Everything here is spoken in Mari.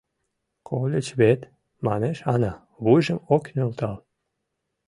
— Кольыч вет... — манеш Ана, вуйжым ок нӧлтал.